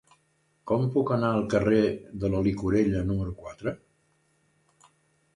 Com puc anar al carrer de la Llicorella número quatre?